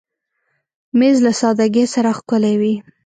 مېز له سادګۍ سره ښکلی وي.